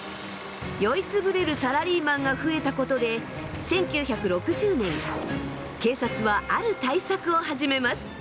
酔い潰れるサラリーマンが増えたことで１９６０年警察はある対策を始めます。